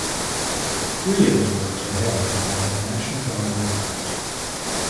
Three of his works are held by the National Gallery of Art.